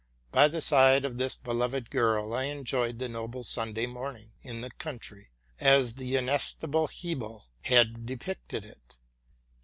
By the side of this beloved girl I enjoyed the noble Sunday morning in the coun try, as the inestimable Hebel has depicted it.